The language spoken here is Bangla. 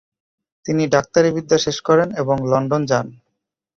তিনি ডাক্তারি বিদ্যা শেষ করেন এবং লন্ডন যান।